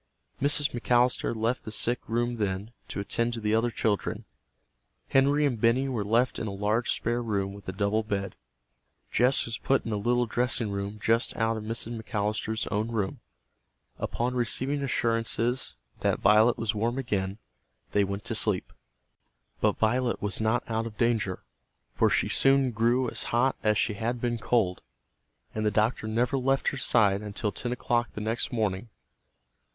Mrs. McAllister left the sick room then, to attend to the other children. Henry and Benny were left in a large spare room with a double bed. Jess was put in a little dressing room just out of Mrs. McAllister's own room. Upon receiving assurances that Violet was warm again, they went to sleep. But Violet was not out of danger, for she soon grew as hot as she had been cold. And the doctor never left her side until ten o'clock the next morning.